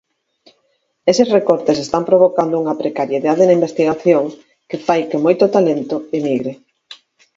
Eses recortes están provocando unha precariedade na investigación que fai que moito talento emigre.